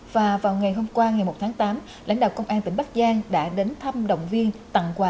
và vào ngày hôm qua ngày một tháng tám lãnh đạo công an tỉnh bắc giang đã đến thăm động viên tặng quà